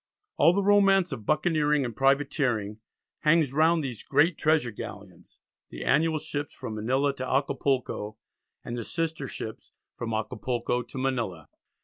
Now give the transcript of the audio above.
All the romance of buccaneering and privateering hangs round these great treasure galleons, the annual ships from Manila to Acapulco, and the sister ships from Acapulco to Manila.